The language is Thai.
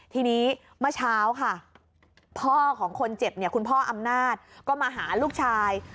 ทีนี้เมื่อเช้าค่ะพ่อของคนเจ็บเนี่ยคุณพ่ออำนาจก็มาหาลูกชาย